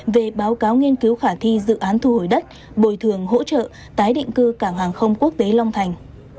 về báo cáo nghiên cứu khả thi dự án thu hồi đất bồi thường hỗ trợ tái định cư cảng hàng không quốc tế long thành